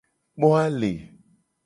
Kpo ale.